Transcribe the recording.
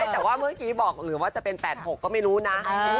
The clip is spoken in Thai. แต่ว่าเมื่อกี้บอกหรือว่าจะเป็น๘๖ก็ไม่รู้นะ